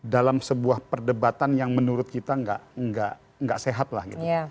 dalam sebuah perdebatan yang menurut kita nggak sehat lah gitu